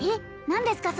何ですか？